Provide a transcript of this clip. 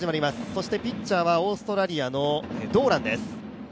そしてピッチャーはオーストラリアのドーランです。